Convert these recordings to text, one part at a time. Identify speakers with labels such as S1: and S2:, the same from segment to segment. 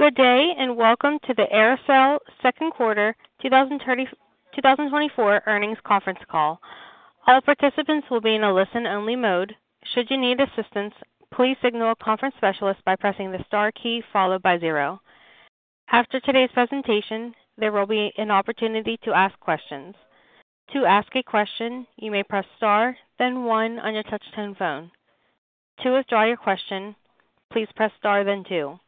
S1: Good day, and welcome to the AerSale second quarter 2024 earnings conference call. All participants will be in a listen-only mode. Should you need assistance, please signal a conference specialist by pressing the star key followed by zero. After today's presentation, there will be an opportunity to ask questions. To ask a question, you may press star, then one on your touchtone phone. To withdraw your question, please press star, then two.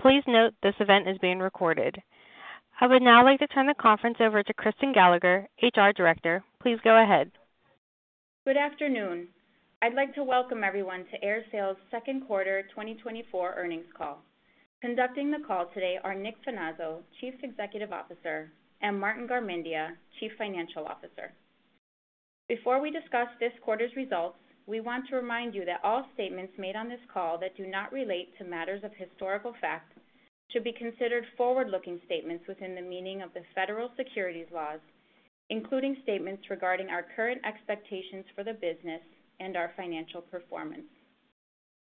S1: Please note, this event is being recorded. I would now like to turn the conference over to Kristen Gallagher, HR Director. Please go ahead.
S2: Good afternoon. I'd like to welcome everyone to AerSale's second quarter 2024 earnings call. Conducting the call today are Nick Finazzo, Chief Executive Officer, and Martin Garmendia, Chief Financial Officer. Before we discuss this quarter's results, we want to remind you that all statements made on this call that do not relate to matters of historical fact should be considered forward-looking statements within the meaning of the federal securities laws, including statements regarding our current expectations for the business and our financial performance.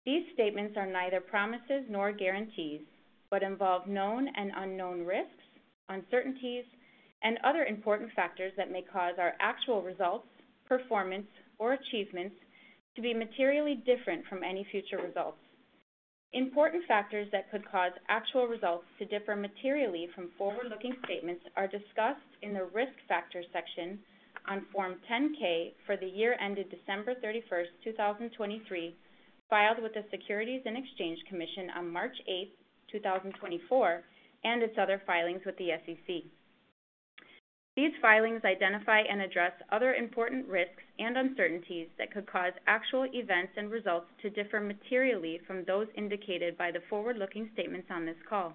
S2: These statements are neither promises nor guarantees, but involve known and unknown risks, uncertainties, and other important factors that may cause our actual results, performance, or achievements to be materially different from any future results. Important factors that could cause actual results to differ materially from forward-looking statements are discussed in the Risk Factors section on Form 10-K for the year ended December 31, 2023, filed with the Securities and Exchange Commission on March 8, 2024, and its other filings with the SEC. These filings identify and address other important risks and uncertainties that could cause actual events and results to differ materially from those indicated by the forward-looking statements on this call.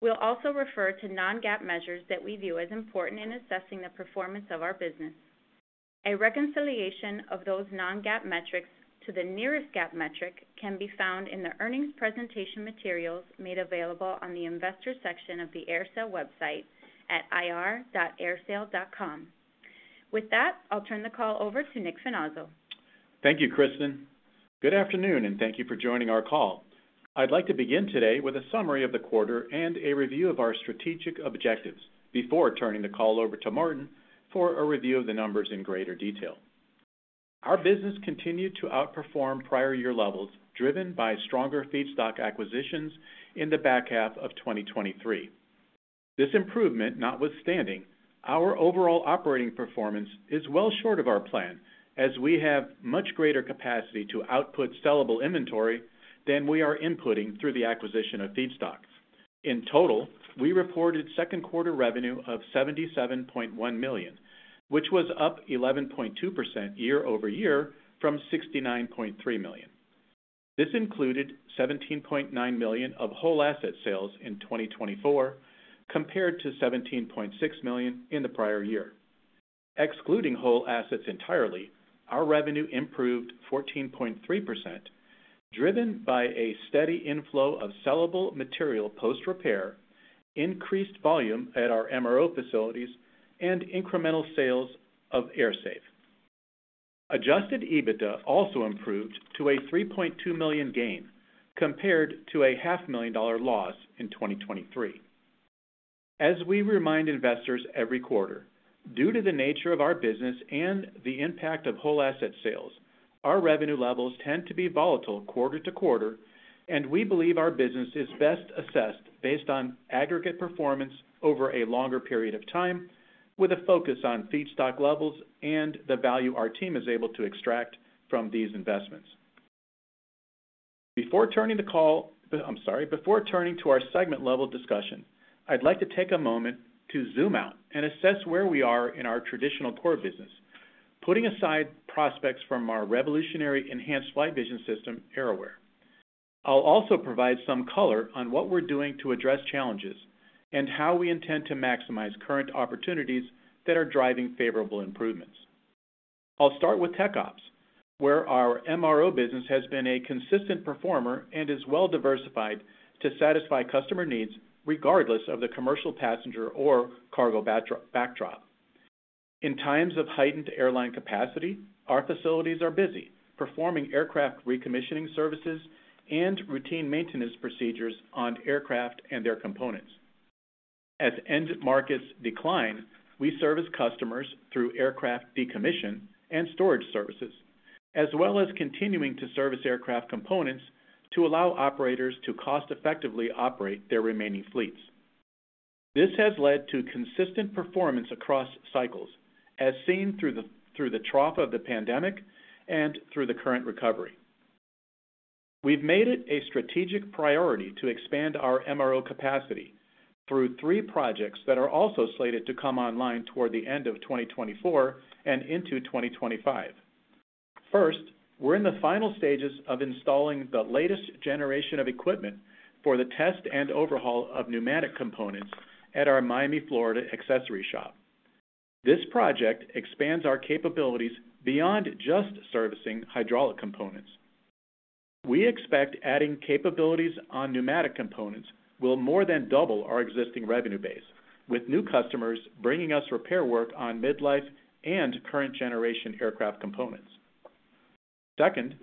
S2: We'll also refer to non-GAAP measures that we view as important in assessing the performance of our business. A reconciliation of those non-GAAP metrics to the nearest GAAP metric can be found in the earnings presentation materials made available on the Investors section of the AerSale website at ir.aersale.com. With that, I'll turn the call over to Nick Finazzo.
S3: Thank you, Kristen. Good afternoon, and thank you for joining our call. I'd like to begin today with a summary of the quarter and a review of our strategic objectives before turning the call over to Martin for a review of the numbers in greater detail. Our business continued to outperform prior year levels, driven by stronger feedstock acquisitions in the back half of 2023. This improvement notwithstanding, our overall operating performance is well short of our plan, as we have much greater capacity to output sellable inventory than we are inputting through the acquisition of feedstocks. In total, we reported second quarter revenue of $77.1 million, which was up 11.2% year-over-year from $69.3 million. This included $17.9 million of whole asset sales in 2024, compared to $17.6 million in the prior year. Excluding whole assets entirely, our revenue improved 14.3%, driven by a steady inflow of sellable material post-repair, increased volume at our MRO facilities, and incremental sales of AerSafe. Adjusted EBITDA also improved to a $3.2 million gain, compared to a $500,000 loss in 2023. As we remind investors every quarter, due to the nature of our business and the impact of whole asset sales, our revenue levels tend to be volatile quarter to quarter, and we believe our business is best assessed based on aggregate performance over a longer period of time, with a focus on feedstock levels and the value our team is able to extract from these investments. Before turning the call... I'm sorry. Before turning to our segment-level discussion, I'd like to take a moment to zoom out and assess where we are in our traditional core business, putting aside prospects from our revolutionary enhanced flight vision system, AerAware. I'll also provide some color on what we're doing to address challenges and how we intend to maximize current opportunities that are driving favorable improvements. I'll start with TechOps, where our MRO business has been a consistent performer and is well diversified to satisfy customer needs, regardless of the commercial, passenger, or cargo backdrop. In times of heightened airline capacity, our facilities are busy performing aircraft recommissioning services and routine maintenance procedures on aircraft and their components. As end markets decline, we service customers through aircraft decommission and storage services, as well as continuing to service aircraft components to allow operators to cost-effectively operate their remaining fleets. This has led to consistent performance across cycles, as seen through the, through the trough of the pandemic and through the current recovery. We've made it a strategic priority to expand our MRO capacity through three projects that are also slated to come online toward the end of 2024 and into 2025. First, we're in the final stages of installing the latest generation of equipment for the test and overhaul of pneumatic components at our Miami, Florida, accessory shop. This project expands our capabilities beyond just servicing hydraulic components. We expect adding capabilities on pneumatic components will more than double our existing revenue base, with new customers bringing us repair work on midlife and current generation aircraft components.... Second,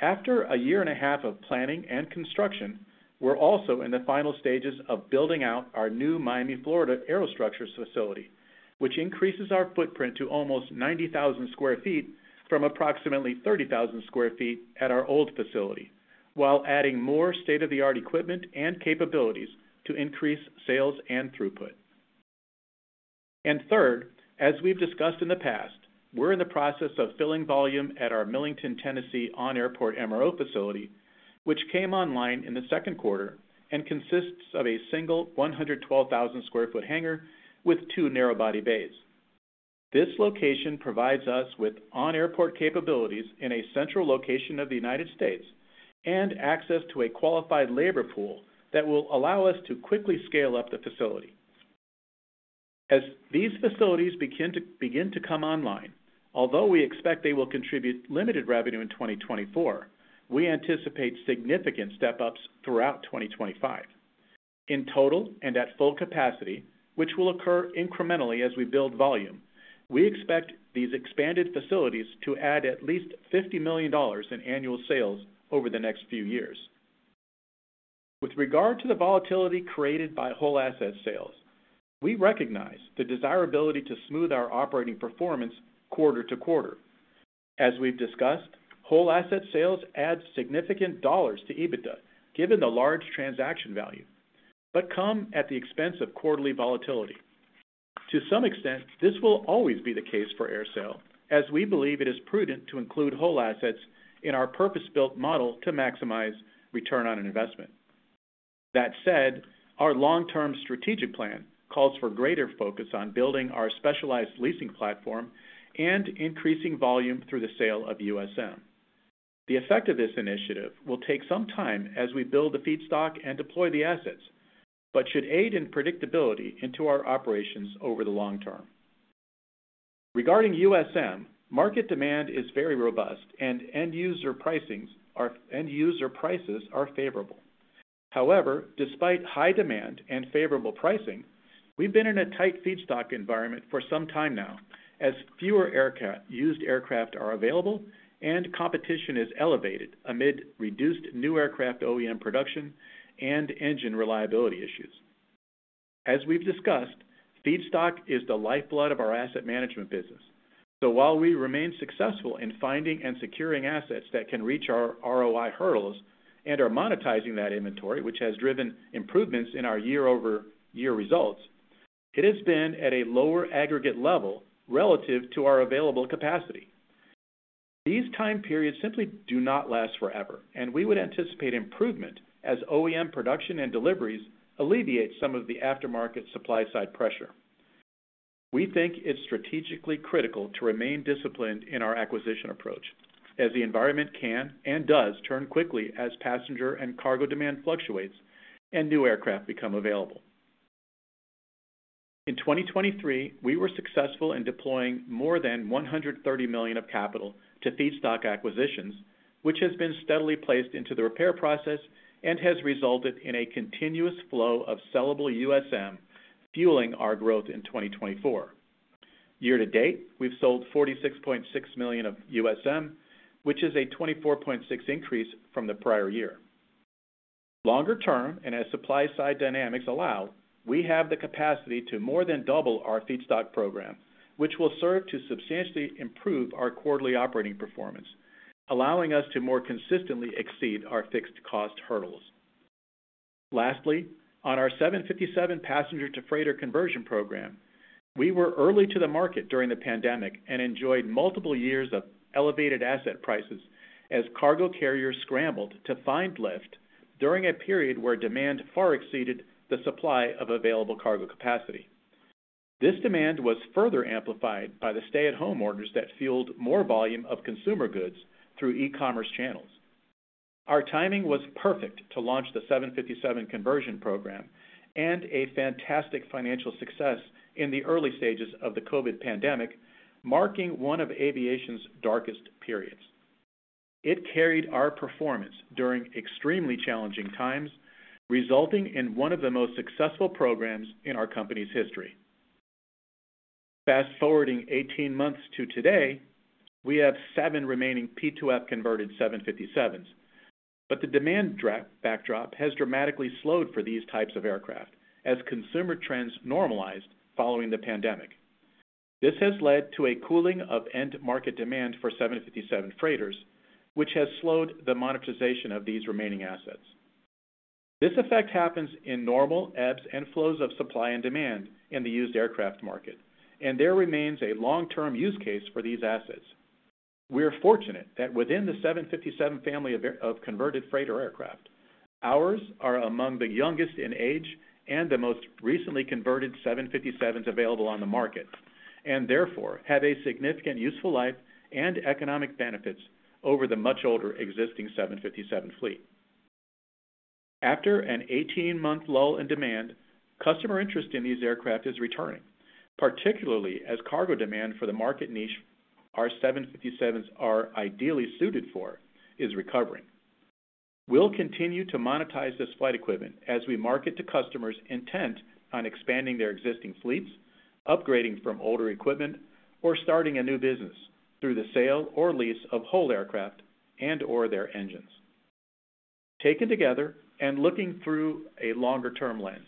S3: after a year and a half of planning and construction, we're also in the final stages of building out our new Miami, Florida aerostructures facility, which increases our footprint to almost 90,000 sq ft from approximately 30,000 sq ft at our old facility, while adding more state-of-the-art equipment and capabilities to increase sales and throughput. And third, as we've discussed in the past, we're in the process of filling volume at our Millington, Tennessee, on-airport MRO facility, which came online in the second quarter and consists of a single 112,000 sq ft hangar with two narrow body bays. This location provides us with on-airport capabilities in a central location of the United States, and access to a qualified labor pool that will allow us to quickly scale up the facility. As these facilities begin to come online, although we expect they will contribute limited revenue in 2024, we anticipate significant step-ups throughout 2025. In total, and at full capacity, which will occur incrementally as we build volume, we expect these expanded facilities to add at least $50 million in annual sales over the next few years. With regard to the volatility created by whole asset sales, we recognize the desirability to smooth our operating performance quarter to quarter. As we've discussed, whole asset sales add significant dollars to EBITDA, given the large transaction value, but come at the expense of quarterly volatility. To some extent, this will always be the case for AerSale, as we believe it is prudent to include whole assets in our purpose-built model to maximize return on an investment. That said, our long-term strategic plan calls for greater focus on building our specialized leasing platform and increasing volume through the sale of USM. The effect of this initiative will take some time as we build the feedstock and deploy the assets, but should aid in predictability into our operations over the long term. Regarding USM, market demand is very robust and end user prices are favorable. However, despite high demand and favorable pricing, we've been in a tight feedstock environment for some time now, as fewer used aircraft are available and competition is elevated amid reduced new aircraft OEM production and engine reliability issues. As we've discussed, feedstock is the lifeblood of our asset management business. So while we remain successful in finding and securing assets that can reach our ROI hurdles and are monetizing that inventory, which has driven improvements in our year-over-year results, it has been at a lower aggregate level relative to our available capacity. These time periods simply do not last forever, and we would anticipate improvement as OEM production and deliveries alleviate some of the aftermarket supply side pressure. We think it's strategically critical to remain disciplined in our acquisition approach, as the environment can and does turn quickly as passenger and cargo demand fluctuates and new aircraft become available. In 2023, we were successful in deploying more than $130 million of capital to feedstock acquisitions, which has been steadily placed into the repair process and has resulted in a continuous flow of sellable USM, fueling our growth in 2024. Year-to-date, we've sold $46.6 million of USM, which is a 24.6% increase from the prior year. Longer term, and as supply-side dynamics allow, we have the capacity to more than double our feedstock program, which will serve to substantially improve our quarterly operating performance, allowing us to more consistently exceed our fixed cost hurdles. Lastly, on our 757 passenger to freighter conversion program, we were early to the market during the pandemic and enjoyed multiple years of elevated asset prices as cargo carriers scrambled to find lift during a period where demand far exceeded the supply of available cargo capacity. This demand was further amplified by the stay-at-home orders that fueled more volume of consumer goods through e-commerce channels. Our timing was perfect to launch the 757 conversion program and a fantastic financial success in the early stages of the COVID pandemic, marking one of aviation's darkest periods. It carried our performance during extremely challenging times, resulting in one of the most successful programs in our company's history. Fast-forwarding 18 months to today, we have seven remaining P2F converted 757s, but the demand backdrop has dramatically slowed for these types of aircraft as consumer trends normalized following the pandemic. This has led to a cooling of end market demand for 757 freighters, which has slowed the monetization of these remaining assets. This effect happens in normal ebbs and flows of supply and demand in the used aircraft market, and there remains a long-term use case for these assets. We are fortunate that within the 757 family of converted freighter aircraft, ours are among the youngest in age and the most recently converted 757s available on the market, and therefore, have a significant useful life and economic benefits over the much older existing 757 fleet. After an 18-month lull in demand, customer interest in these aircraft is returning, particularly as cargo demand for the market niche our 757s are ideally suited for, is recovering. We'll continue to monetize this flight equipment as we market to customers intent on expanding their existing fleets, upgrading from older equipment, or starting a new business through the sale or lease of whole aircraft and/or their engines. Taken together and looking through a longer-term lens,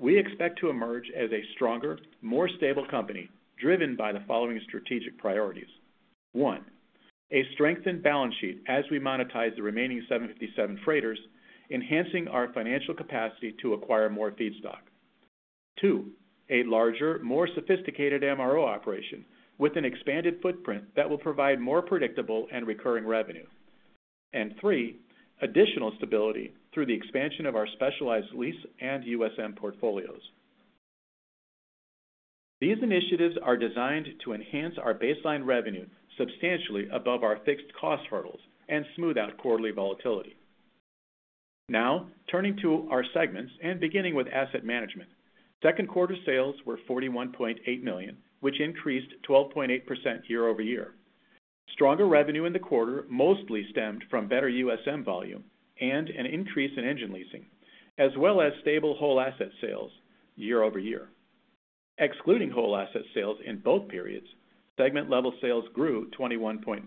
S3: we expect to emerge as a stronger, more stable company, driven by the following strategic priorities: One, a strengthened balance sheet as we monetize the remaining 757 freighters, enhancing our financial capacity to acquire more feedstock. Two, a larger, more sophisticated MRO operation with an expanded footprint that will provide more predictable and recurring revenue. And three, additional stability through the expansion of our specialized lease and USM portfolios. These initiatives are designed to enhance our baseline revenue substantially above our fixed cost hurdles and smooth out quarterly volatility. Now, turning to our segments and beginning with asset management. Second quarter sales were $41.8 million, which increased 12.8% year-over-year. Stronger revenue in the quarter mostly stemmed from better USM volume and an increase in engine leasing, as well as stable whole asset sales year-over-year. Excluding whole asset sales in both periods, segment-level sales grew 21.1%.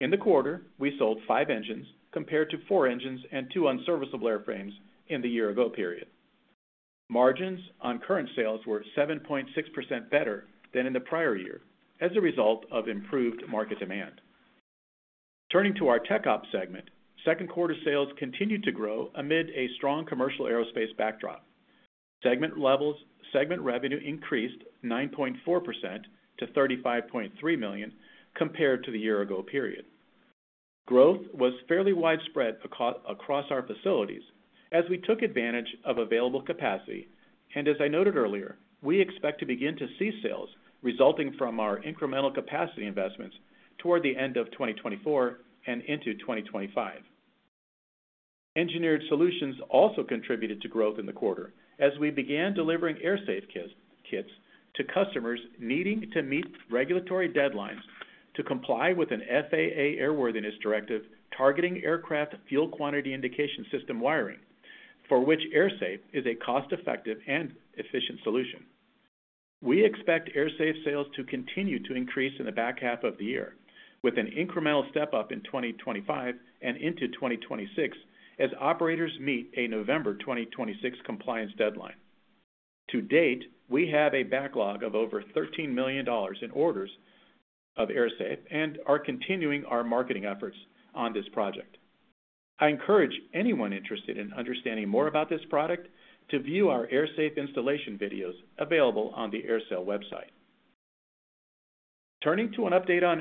S3: In the quarter, we sold five engines, compared to four engines and two unserviceable airframes in the year-ago period. Margins on current sales were 7.6% better than in the prior year as a result of improved market demand. Turning to our TechOps segment, second quarter sales continued to grow amid a strong commercial aerospace backdrop. Segment revenue increased 9.4% to $35.3 million compared to the year-ago period. Growth was fairly widespread across our facilities as we took advantage of available capacity, and as I noted earlier, we expect to begin to see sales resulting from our incremental capacity investments toward the end of 2024 and into 2025. Engineered Solutions also contributed to growth in the quarter as we began delivering AerSafe kits, kits to customers needing to meet regulatory deadlines to comply with an FAA airworthiness directive, targeting aircraft fuel quantity indication system wiring, for which AerSafe is a cost-effective and efficient solution. We expect AerSafe sales to continue to increase in the back half of the year, with an incremental step-up in 2025 and into 2026 as operators meet a November 2026 compliance deadline. To date, we have a backlog of over $13 million in orders of AerSafe and are continuing our marketing efforts on this project. I encourage anyone interested in understanding more about this product to view our AerSafe installation videos available on the AerSale website. Turning to an update on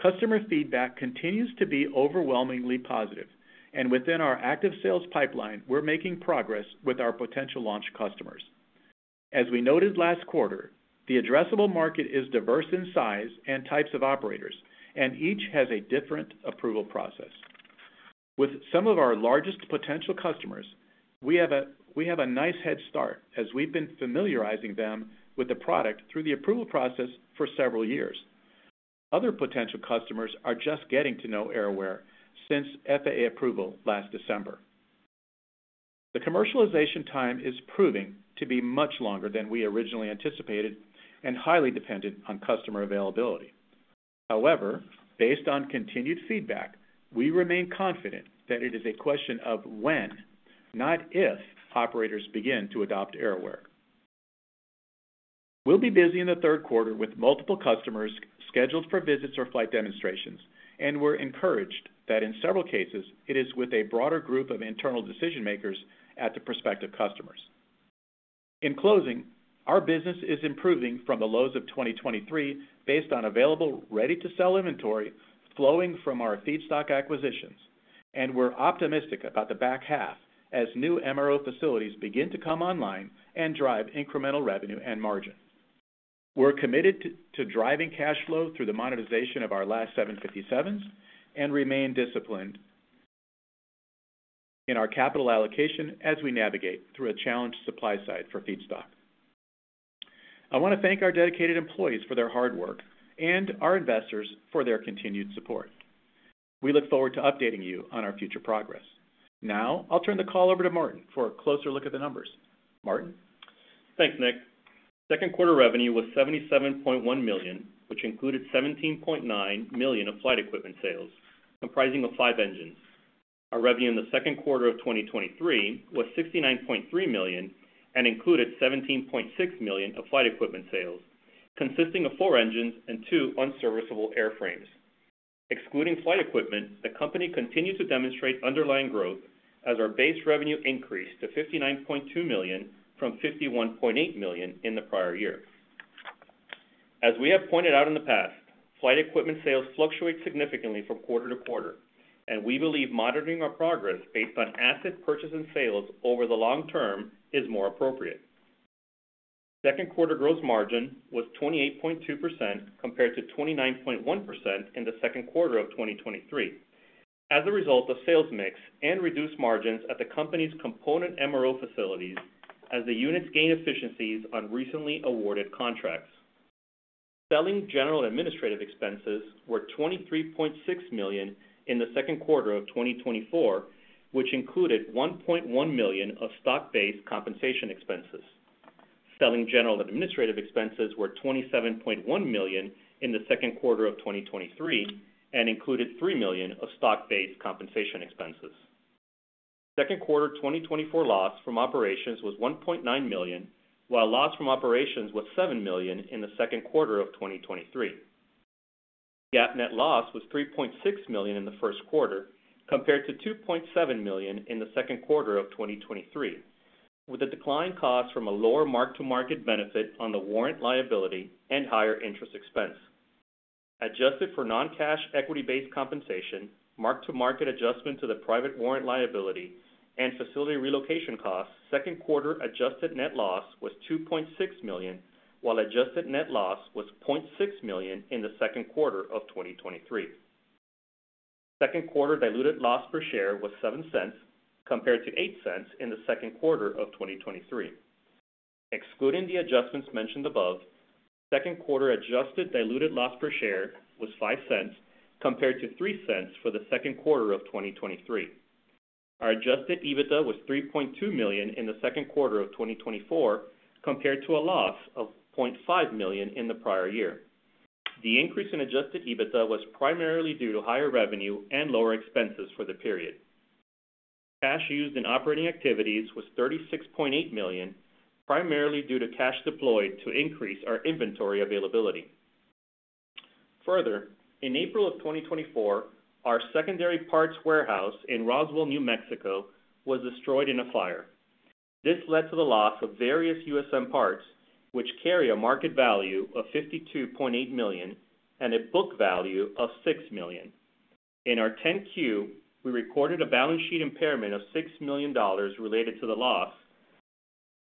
S3: AerAware. Customer feedback continues to be overwhelmingly positive, and within our active sales pipeline, we're making progress with our potential launch customers. As we noted last quarter, the addressable market is diverse in size and types of operators, and each has a different approval process. With some of our largest potential customers, we have a nice head start as we've been familiarizing them with the product through the approval process for several years. Other potential customers are just getting to know AerAware since FAA approval last December. The commercialization time is proving to be much longer than we originally anticipated and highly dependent on customer availability. However, based on continued feedback, we remain confident that it is a question of when, not if, operators begin to adopt AerAware. We'll be busy in the third quarter with multiple customers scheduled for visits or flight demonstrations, and we're encouraged that in several cases it is with a broader group of internal decision-makers at the prospective customers. In closing, our business is improving from the lows of 2023 based on available, ready-to-sell inventory flowing from our feedstock acquisitions, and we're optimistic about the back half as new MRO facilities begin to come online and drive incremental revenue and margin. We're committed to driving cash flow through the monetization of our last 757s and remain disciplined in our capital allocation as we navigate through a challenged supply side for feedstock. I want to thank our dedicated employees for their hard work and our investors for their continued support. We look forward to updating you on our future progress. Now, I'll turn the call over to Martin for a closer look at the numbers. Martin?
S4: Thanks, Nick. Second quarter revenue was $77.1 million, which included $17.9 million of flight equipment sales, comprising of 5 engines. Our revenue in the second quarter of 2023 was $69.3 million and included $17.6 million of flight equipment sales, consisting of four engines and two unserviceable airframes. Excluding flight equipment, the company continued to demonstrate underlying growth as our base revenue increased to $59.2 million from $51.8 million in the prior year. As we have pointed out in the past, flight equipment sales fluctuate significantly from quarter to quarter, and we believe monitoring our progress based on asset purchases and sales over the long term is more appropriate. Second-quarter gross margin was 28.2%, compared to 29.1% in the second quarter of 2023, as a result of sales mix and reduced margins at the company's component MRO facilities as the units gain efficiencies on recently awarded contracts. Selling general administrative expenses were $23.6 million in the second quarter of 2024, which included $1.1 million of stock-based compensation expenses. Selling general administrative expenses were $27.1 million in the second quarter of 2023, and included $3 million of stock-based compensation expenses. Second quarter 2024 loss from operations was $1.9 million, while loss from operations was $7 million in the second quarter of 2023. GAAP net loss was $3.6 million in the first quarter, compared to $2.7 million in the second quarter of 2023, with a decline caused from a lower mark-to-market benefit on the warrant liability and higher interest expense. Adjusted for non-cash equity-based compensation, mark-to-market adjustment to the private warrant liability, and facility relocation costs, second quarter adjusted net loss was $2.6 million, while adjusted net loss was $0.6 million in the second quarter of 2023. Second quarter diluted loss per share was $0.07, compared to $0.08 in the second quarter of 2023. Excluding the adjustments mentioned above, second quarter adjusted diluted loss per share was $0.05, compared to $0.03 for the second quarter of 2023. Our Adjusted EBITDA was $3.2 million in the second quarter of 2024, compared to a loss of $0.5 million in the prior year. The increase in Adjusted EBITDA was primarily due to higher revenue and lower expenses for the period. Cash used in operating activities was $36.8 million, primarily due to cash deployed to increase our inventory availability. Further, in April of 2024, our secondary parts warehouse in Roswell, New Mexico, was destroyed in a fire. This led to the loss of various USM parts, which carry a market value of $52.8 million and a book value of $6 million. In our 10-Q, we recorded a balance sheet impairment of $6 million related to the loss,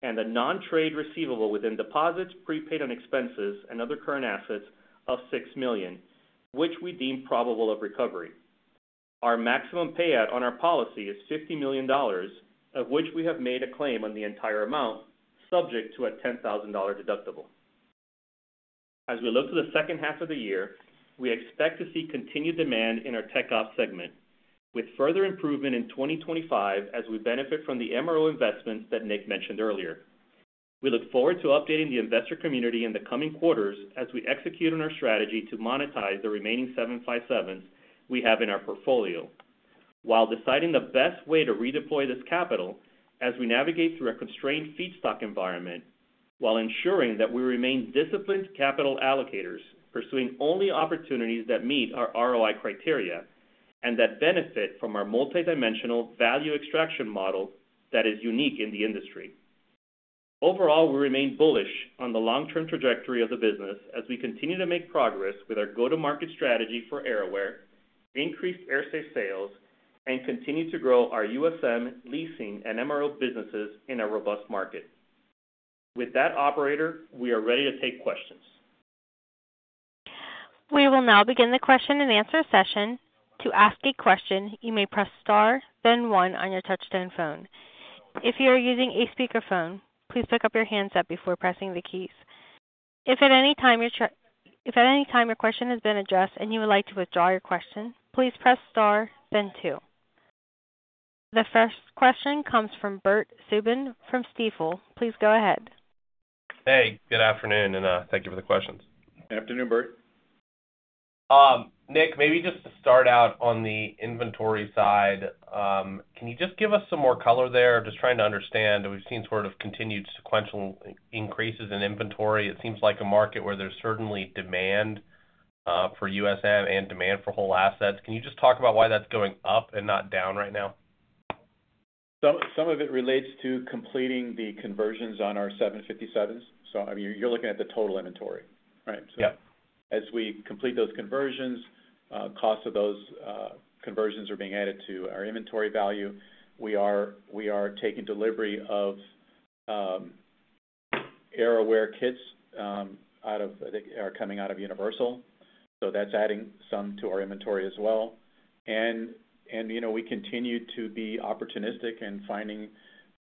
S4: and a non-trade receivable within deposits, prepaid on expenses and other current assets of $6 million, which we deem probable of recovery. Our maximum payout on our policy is $50 million, of which we have made a claim on the entire amount, subject to a $10,000 deductible. As we look to the second half of the year, we expect to see continued demand in our TechOps segment, with further improvement in 2025 as we benefit from the MRO investments that Nick mentioned earlier. We look forward to updating the investor community in the coming quarters as we execute on our strategy to monetize the remaining seven 757s we have in our portfolio, while deciding the best way to redeploy this capital as we navigate through a constrained feedstock environment, while ensuring that we remain disciplined capital allocators, pursuing only opportunities that meet our ROI criteria and that benefit from our multidimensional value extraction model that is unique in the industry. Overall, we remain bullish on the long-term trajectory of the business as we continue to make progress with our go-to-market strategy for AerAware, increased AerSafe sales, and continue to grow our USM leasing and MRO businesses in a robust market. With that, operator, we are ready to take questions.
S1: We will now begin the question and answer session. To ask a question, you may press star, then one on your touchtone phone. If you are using a speakerphone, please pick up your handset before pressing the keys. If at any time your question has been addressed and you would like to withdraw your question, please press star, then two. The first question comes from Bert Subin from Stifel. Please go ahead.
S5: Hey, good afternoon, and thank you for the questions.
S3: Afternoon, Bert.
S5: Nick, maybe just to start out on the inventory side, can you just give us some more color there? Just trying to understand. We've seen sort of continued sequential increases in inventory. It seems like a market where there's certainly demand for USM and demand for whole assets. Can you just talk about why that's going up and not down right now?
S3: Some of it relates to completing the conversions on our 757s. So, I mean, you're looking at the total inventory, right?
S5: Yeah.
S3: As we complete those conversions, costs of those conversions are being added to our inventory value. We are taking delivery of AerAware kits out of... That are coming out of Universal, so that's adding some to our inventory as well. And, you know, we continue to be opportunistic in finding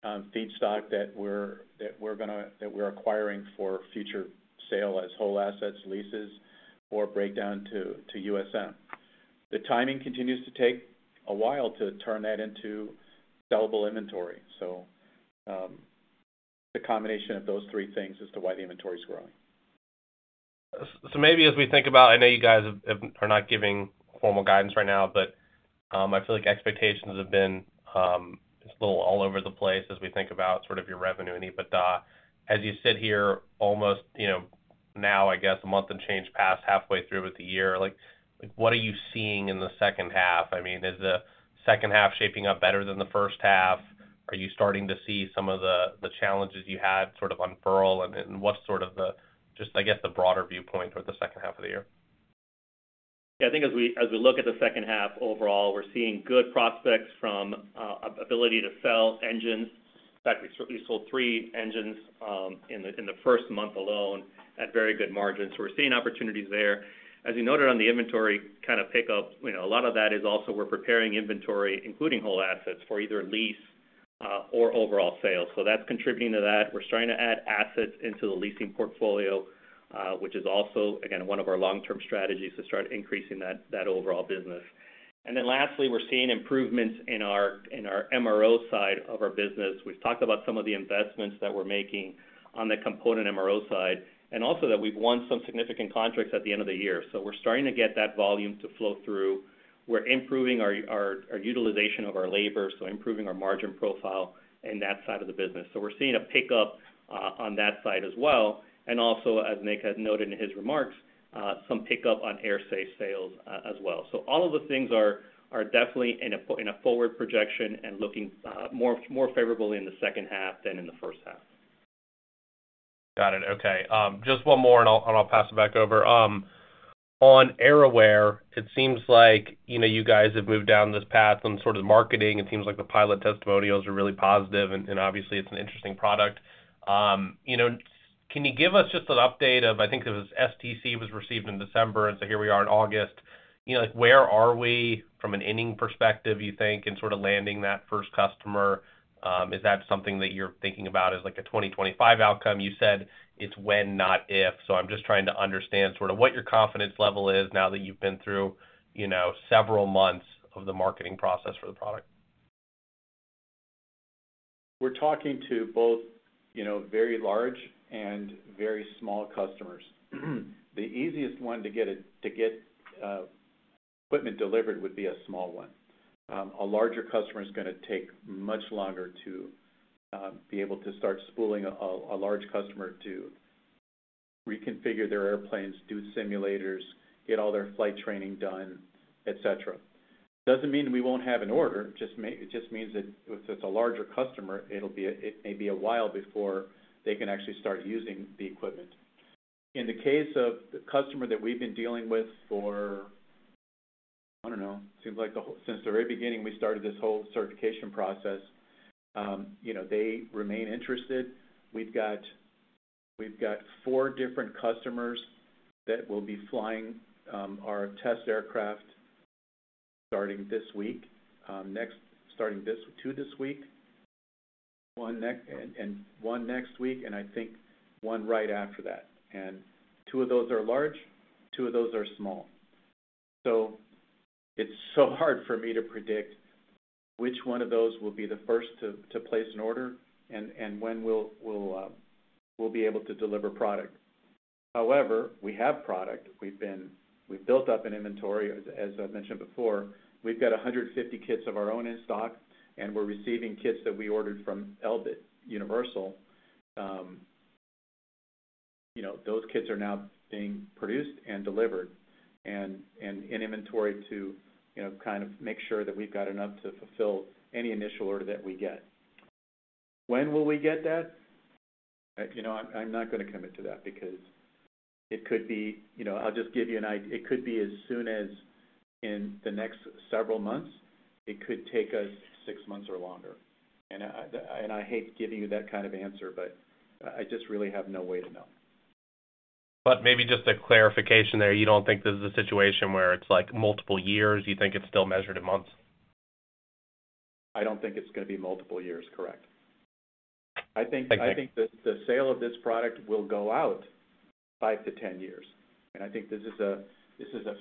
S3: feedstock that we're acquiring for future sale as whole assets, leases, or breakdown to USM. The timing continues to take a while to turn that into sellable inventory. So, the combination of those three things as to why the inventory is growing.
S5: So maybe as we think about... I know you guys are not giving formal guidance right now, but I feel like expectations have been just a little all over the place as we think about sort of your revenue and EBITDA. As you sit here, almost, you know, now, I guess, a month and change past halfway through with the year, like, what are you seeing in the second half? I mean, is the second half shaping up better than the first half? Are you starting to see some of the challenges you had sort of unfurl? And what's sort of the, just, I guess, the broader viewpoint for the second half of the year?
S4: Yeah, I think as we look at the second half, overall, we're seeing good prospects from ability to sell engines. In fact, we certainly sold three engines in the first month alone at very good margins. So we're seeing opportunities there. As you noted on the inventory kind of pickup, you know, a lot of that is also we're preparing inventory, including whole assets, for either lease or overall sales. So that's contributing to that. We're starting to add assets into the leasing portfolio, which is also, again, one of our long-term strategies to start increasing that overall business. And then lastly, we're seeing improvements in our MRO side of our business. We've talked about some of the investments that we're making on the component MRO side, and also that we've won some significant contracts at the end of the year. So we're starting to get that volume to flow through. We're improving our utilization of our labor, so improving our margin profile in that side of the business. So we're seeing a pickup on that side as well, and also, as Nick had noted in his remarks, some pickup on AerSafe sales as well. So all of the things are definitely in a forward projection and looking more favorably in the second half than in the first half.
S5: Got it. Okay, just one more, and I'll pass it back over. On AerAware, it seems like, you know, you guys have moved down this path on sort of marketing. It seems like the pilot testimonials are really positive, and obviously it's an interesting product. You know, can you give us just an update of, I think it was STC was received in December, and so here we are in August. You know, like, where are we from an inning perspective, you think, in sort of landing that first customer? Is that something that you're thinking about as, like, a 2025 outcome? You said it's when, not if, so I'm just trying to understand sort of what your confidence level is now that you've been through, you know, several months of the marketing process for the product.
S3: We're talking to both, you know, very large and very small customers. The easiest one to get equipment delivered would be a small one. A larger customer is gonna take much longer to be able to start spooling a large customer to reconfigure their airplanes, do simulators, get all their flight training done, et cetera. Doesn't mean we won't have an order, just means that if it's a larger customer, it may be a while before they can actually start using the equipment. In the case of the customer that we've been dealing with for, I don't know, it seems like the whole... Since the very beginning, we started this whole certification process, you know, they remain interested. We've got four different customers that will be flying our test aircraft starting this week, two this week, one next, and one next week, and I think one right after that. And two of those are large, two of those are small. So it's so hard for me to predict which one of those will be the first to place an order and when we'll be able to deliver product. However, we have product. We've built up an inventory, as I've mentioned before. We've got 150 kits of our own in stock, and we're receiving kits that we ordered from Elbit Universal. You know, those kits are now being produced and delivered and in inventory to, you know, kind of make sure that we've got enough to fulfill any initial order that we get. When will we get that? You know, I'm not gonna commit to that because it could be, you know. I'll just give you it could be as soon as in the next several months, it could take us six months or longer. And I hate giving you that kind of answer, but I just really have no way to know.
S5: Maybe just a clarification there. You don't think this is a situation where it's, like, multiple years? You think it's still measured in months?
S3: I don't think it's gonna be multiple years, correct?
S5: Thank you.
S3: I think the sale of this product will go out five-to-10 years, and I think this is a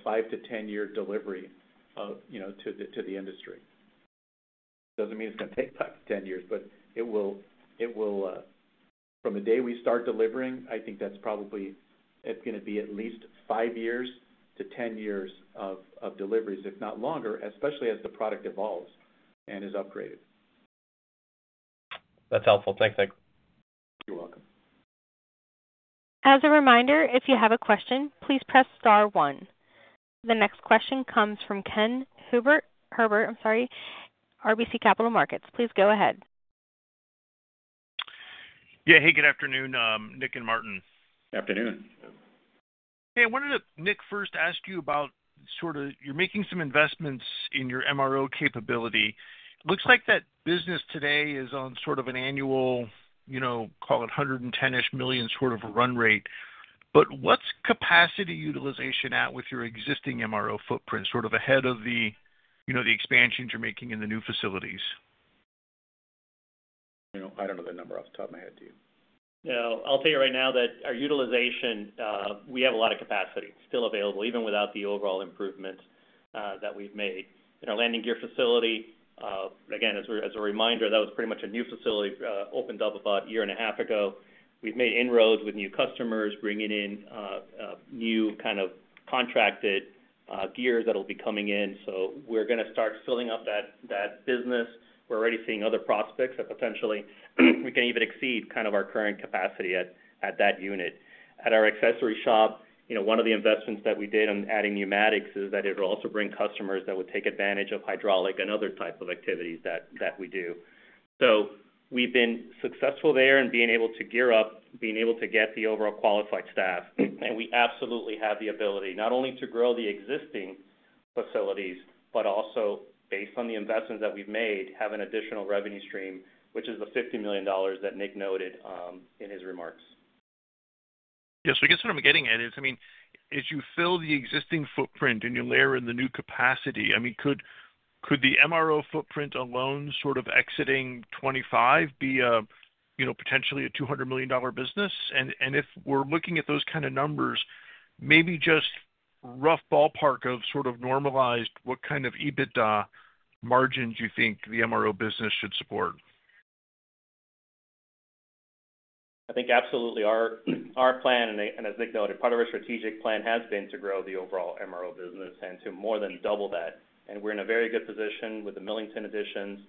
S3: five-to-10 years delivery of, you know, to the industry. Doesn't mean it's gonna take five-to-10 years, but it will from the day we start delivering. I think that's probably; it's gonna be at least five-to-10 years of deliveries, if not longer, especially as the product evolves and is upgraded.
S5: That's helpful. Thanks, Nick.
S3: You're welcome.
S4: As a reminder, if you have a question, please press star one. The next question comes from Ken Herbert, RBC Capital Markets. Please go ahead.
S6: Yeah. Hey, good afternoon, Nick and Martin.
S3: Afternoon.
S6: Hey, I wanted to, Nick, first ask you about sort of, you're making some investments in your MRO capability. Looks like that business today is on sort of an annual, you know, call it $110-ish million sort of run rate. But what's capacity utilization at with your existing MRO footprint, sort of ahead of the, you know, the expansions you're making in the new facilities?
S3: You know, I don't know that number off the top of my head. Do you?
S4: No, I'll tell you right now that our utilization, we have a lot of capacity still available, even without the overall improvements that we've made. In our landing gear facility, again, as a reminder, that was pretty much a new facility opened up about a year and a half ago. We've made inroads with new customers, bringing in a new kind of contracted gears that'll be coming in, so we're gonna start filling up that business. We're already seeing other prospects that potentially we can even exceed kind of our current capacity at that unit. At our accessory shop, you know, one of the investments that we did on adding pneumatics is that it will also bring customers that would take advantage of hydraulic and other types of activities that we do. We've been successful there in being able to gear up, being able to get the overall qualified staff. We absolutely have the ability, not only to grow the existing facilities, but also, based on the investments that we've made, have an additional revenue stream, which is the $50 million that Nick noted in his remarks....
S6: Yes, I guess what I'm getting at is, I mean, as you fill the existing footprint and you layer in the new capacity, I mean, could the MRO footprint alone sort of exiting 25 be a, you know, potentially a $200 million business? And if we're looking at those kind of numbers, maybe just rough ballpark of sort of normalized, what kind of EBITDA margins you think the MRO business should support?
S4: I think absolutely. Our plan, and as Nick noted, part of our strategic plan has been to grow the overall MRO business and to more than double that. And we're in a very good position with the Millington additions,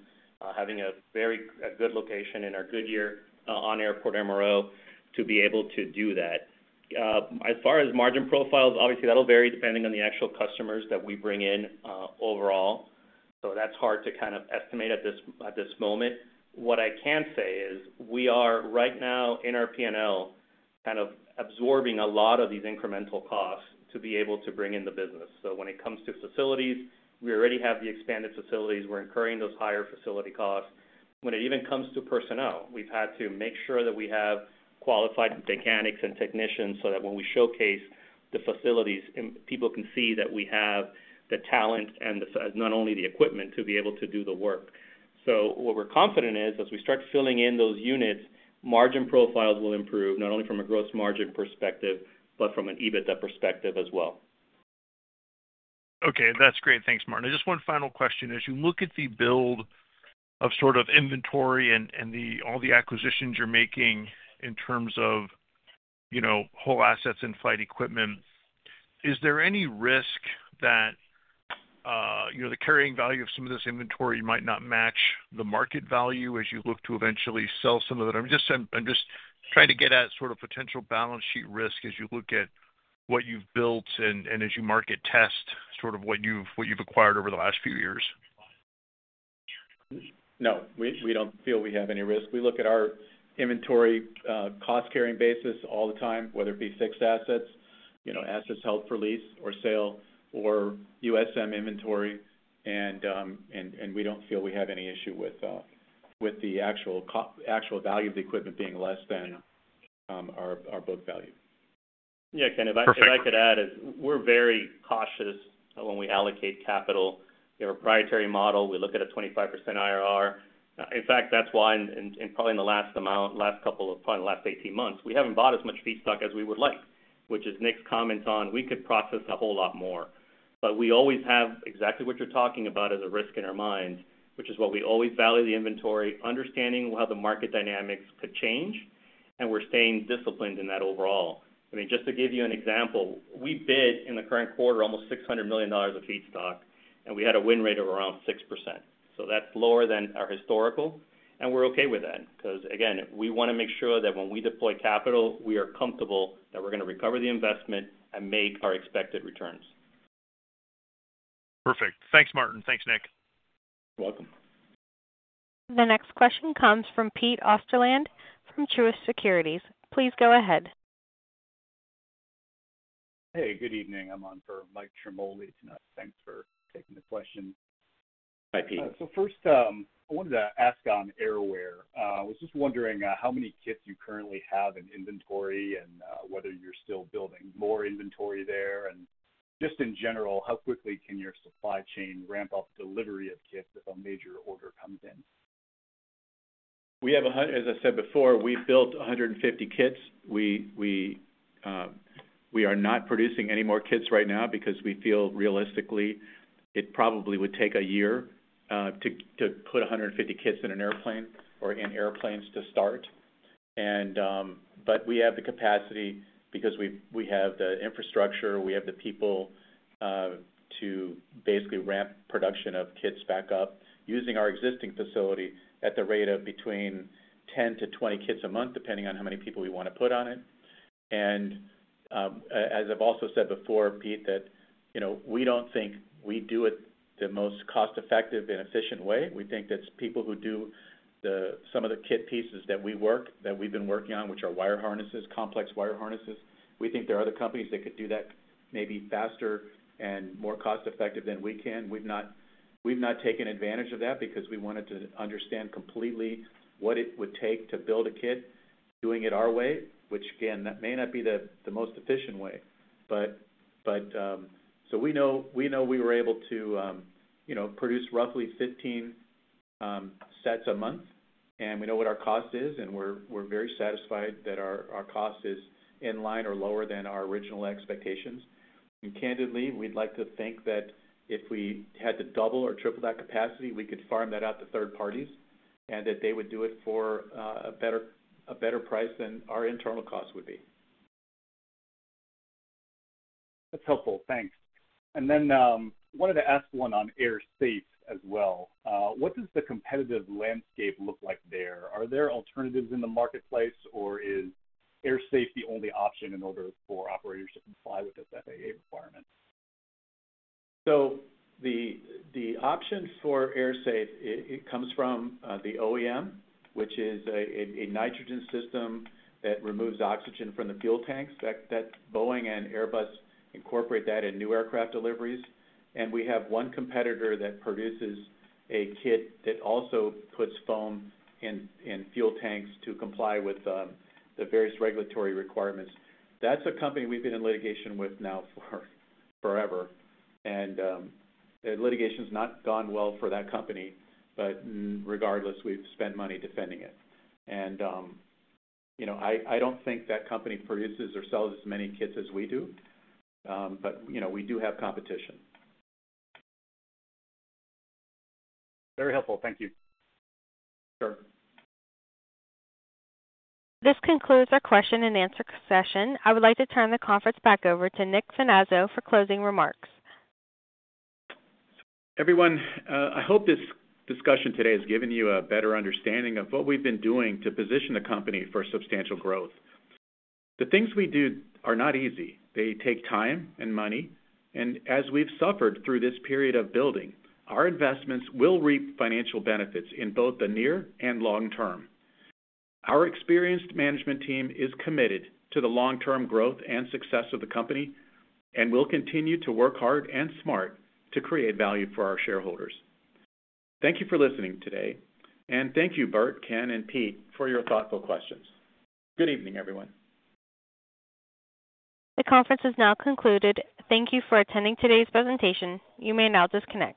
S4: having a very good location in our Goodyear on-airport MRO, to be able to do that. As far as margin profiles, obviously, that'll vary depending on the actual customers that we bring in, overall. So that's hard to kind of estimate at this moment. What I can say is, we are right now in our P&L, kind of absorbing a lot of these incremental costs to be able to bring in the business. So when it comes to facilities, we already have the expanded facilities. We're incurring those higher facility costs. When it even comes to personnel, we've had to make sure that we have qualified mechanics and technicians, so that when we showcase the facilities, people can see that we have the talent and not only the equipment to be able to do the work. So what we're confident is, as we start filling in those units, margin profiles will improve, not only from a gross margin perspective, but from an EBITDA perspective as well.
S6: Okay, that's great. Thanks, Martin. Just one final question: As you look at the build of sort of inventory and the all the acquisitions you're making in terms of, you know, whole assets and flight equipment, is there any risk that, you know, the carrying value of some of this inventory might not match the market value as you look to eventually sell some of it? I'm just saying, I'm just trying to get at sort of potential balance sheet risk as you look at what you've built and as you market test, sort of what you've acquired over the last few years.
S3: No, we don't feel we have any risk. We look at our inventory, cost-carrying basis all the time, whether it be fixed assets, you know, assets held for lease or sale or USM inventory, and we don't feel we have any issue with the actual value of the equipment being less than our book value.
S4: Yeah, Ken, if I, if I could add is, we're very cautious when we allocate capital. In our proprietary model, we look at a 25% IRR. In fact, that's why in, in, probably in the last couple of, probably last 18 months, we haven't bought as much feedstock as we would like, which is Nick's comments on, we could process a whole lot more. But we always have exactly what you're talking about as a risk in our mind, which is why we always value the inventory, understanding how the market dynamics could change, and we're staying disciplined in that overall. I mean, just to give you an example, we bid in the current quarter almost $600 million of feedstock, and we had a win rate of around 6%. So that's lower than our historical, and we're okay with that, because, again, we want to make sure that when we deploy capital, we are comfortable that we're going to recover the investment and make our expected returns.
S6: Perfect. Thanks, Martin. Thanks, Nick.
S3: You're welcome.
S1: The next question comes from Pete Osterland, from Truist Securities. Please go ahead.
S7: Hey, good evening. I'm on for Mike Ciarmoli tonight. Thanks for taking the question.
S3: Hi, Pete.
S7: So first, I wanted to ask on AerAware. I was just wondering, how many kits you currently have in inventory and, whether you're still building more inventory there, and just in general, how quickly can your supply chain ramp up delivery of kits if a major order comes in?
S3: As I said before, we've built 150 kits. We are not producing any more kits right now because we feel realistically, it probably would take a year to put 150 kits in an airplane or in airplanes to start. But we have the capacity because we have the infrastructure, we have the people to basically ramp production of kits back up using our existing facility at the rate of between 10-20 kits a month, depending on how many people we want to put on it. As I've also said before, Pete, you know, we don't think we do it the most cost-effective and efficient way. We think that people who do some of the kit pieces that we work, that we've been working on, which are wire harnesses, complex wire harnesses, we think there are other companies that could do that maybe faster and more cost-effective than we can. We've not, we've not taken advantage of that because we wanted to understand completely what it would take to build a kit, doing it our way, which again, that may not be the, the most efficient way. But, but, so we know, we know we were able to, you know, produce roughly 15 sets a month, and we know what our cost is, and we're, we're very satisfied that our, our cost is in line or lower than our original expectations. Candidly, we'd like to think that if we had to double or triple that capacity, we could farm that out to third parties, and that they would do it for a better price than our internal cost would be.
S7: That's helpful. Thanks. Then, I wanted to ask one on AerSafe as well. What does the competitive landscape look like there? Are there alternatives in the marketplace, or is AerSafe the only option in order for operators to comply with this FAA requirement?
S3: So the option for AerSafe, it comes from the OEM, which is a nitrogen system that removes oxygen from the fuel tanks. That Boeing and Airbus incorporate that in new aircraft deliveries. And we have one competitor that produces a kit that also puts foam in fuel tanks to comply with the various regulatory requirements. That's a company we've been in litigation with now for forever. And the litigation's not gone well for that company, but regardless, we've spent money defending it. And you know, I don't think that company produces or sells as many kits as we do, but you know, we do have competition.
S7: Very helpful. Thank you.
S3: Sure.
S1: This concludes our question and answer session. I would like to turn the conference back over to Nick Finazzo for closing remarks.
S3: Everyone, I hope this discussion today has given you a better understanding of what we've been doing to position the company for substantial growth. The things we do are not easy. They take time and money, and as we've suffered through this period of building, our investments will reap financial benefits in both the near and long term. Our experienced management team is committed to the long-term growth and success of the company, and we'll continue to work hard and smart to create value for our shareholders. Thank you for listening today, and thank you, Bert, Ken, and Pete, for your thoughtful questions. Good evening, everyone.
S1: The conference is now concluded. Thank you for attending today's presentation. You may now disconnect.